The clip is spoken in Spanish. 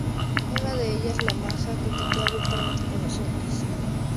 Una de ellas, la maja, coquetea abiertamente con los hombres.